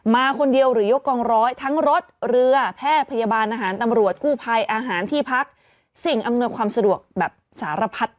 มาคนเดียวหรือยกกองร้อยทั้งรถเรือแพทย์พยาบาลอาหารตำรวจกู้ภัยอาหารที่พักสิ่งอำนวยความสะดวกแบบสารพัด